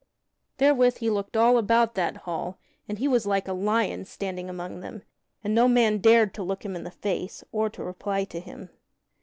Therewith he looked all about that hall, and he was like a lion standing among them, and no man dared to look him in the face or to reply to him.